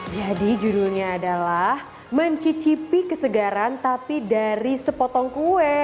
jadi judulnya adalah mencicipi kesegaran tapi dari sepotong kue